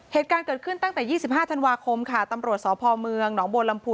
เหตุการณ์เกิดขึ้นตั้งแต่๒๕ธันวาคมตำรวจสพหนบวลำภู